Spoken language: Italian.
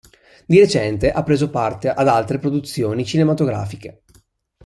Di recente ha preso parte ad altre produzioni cinematografiche.